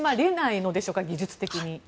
技術的に。